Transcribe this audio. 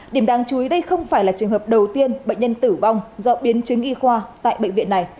điểm đáng chú ý đây không phải là trường hợp đầu tiên bệnh nhân tử vong do biến chứng y khoa tại bệnh viện này